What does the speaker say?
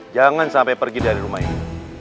jangan sampai pergi dari rumah ini